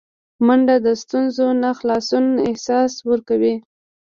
منډه د ستونزو نه خلاصون احساس ورکوي